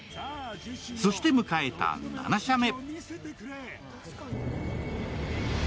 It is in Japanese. そして迎えた７射目。